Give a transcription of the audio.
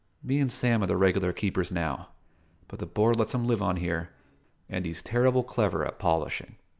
"Me and Sam are the regular keepers now; but the Board lets him live on here, and he's terrible clever at polishing."